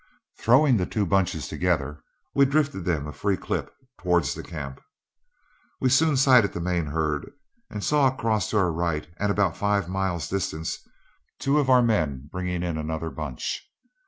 Throwing the two hunches together, we drifted them a free clip towards camp. We soon sighted the main herd, and saw across to our right and about five miles distant two of our men bringing in another hunch.